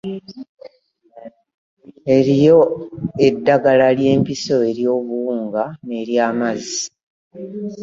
Eriyo eddagala ly'empiso ery'obuwunga n'ery'amazzi.